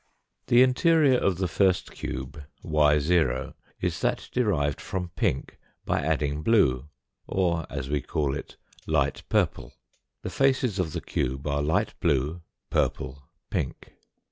Fig. 109. The interior of the first cube, 2/0, is that derived from pink by adding blue, or, as we call it, light purple. The faces of the cube are light blue, purple, pink.